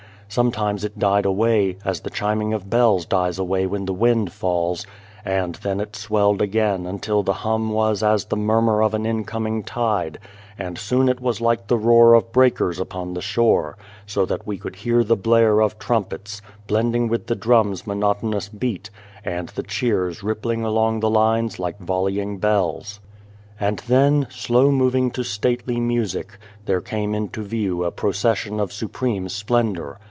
Sometimes it died away, as the chiming of bells dies away when the wind falls, and then it swelled again until the hum was as the murmur of an incoming tide, and soon it was like the roar of breakers upon the shore, so that we could hear the blare of trumpets, blending with the drums' monotonous beat, and the cheers rippling along the lines like volleying bells. And then, slow moving to stately music, there came into view a procession of supreme 180 and the Devil splendour.